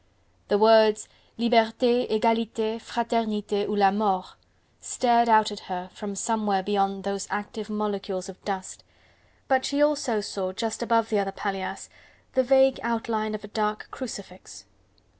The words: "Liberte, Egalite, Fraternite ou la Mort!" stared out at her from somewhere beyond those active molecules of dust, but she also saw just above the other paillasse the vague outline of a dark crucifix.